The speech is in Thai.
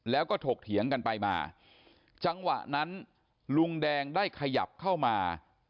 แล้วก็ถกเถียงกันไปมาจังหวะนั้นลุงแดงได้ขยับเข้ามา